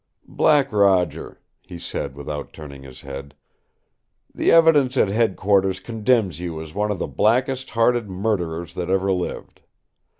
"Black Roger," he said without turning his head, "the evidence at Headquarters condemns you as one of the blackest hearted murderers that ever lived.